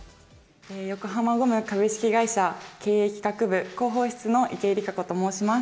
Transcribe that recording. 横浜ゴム株式会社経営企画部広報室の池江璃花子と申します。